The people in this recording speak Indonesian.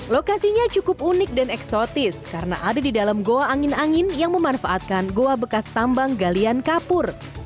lokasinya cukup unik dan eksotis karena ada di dalam goa angin angin yang memanfaatkan goa bekas tambang galian kapur